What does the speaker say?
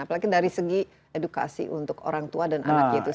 apalagi dari segi edukasi untuk orang tua dan anaknya itu sendiri